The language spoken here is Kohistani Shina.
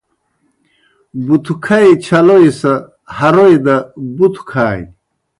بُتھوْکھئی چھلوئی سہ ہروئی دہ بُتھوْ کھانیْ۔